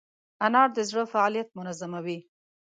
انار د زړه فعالیت منظموي.